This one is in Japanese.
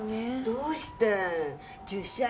どうして？